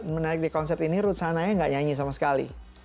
menarik di konser ini rutsa hanaya nggak nyanyi sama sekali